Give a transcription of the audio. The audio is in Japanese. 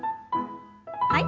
はい。